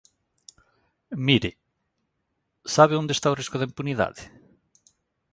Mire, ¿sabe onde está o risco da impunidade?